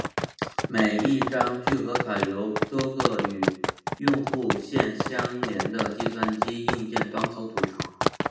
每一张聚合卡由多个与用户线相连的计算机硬件端口组成。